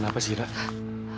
kenapa sih rah